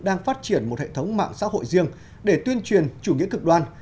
đang phát triển một hệ thống mạng xã hội riêng để tuyên truyền chủ nghĩa cực đoan